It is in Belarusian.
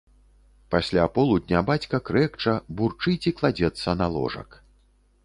Пасля полудня бацька крэкча, бурчыць і кладзецца на ложак.